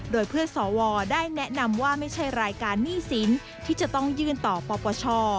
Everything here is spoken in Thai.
โดยเพื่อสวได้แนะนำว่าไม่ใช่รายการหนี้สินที่จะต้องยื่นต่อปปช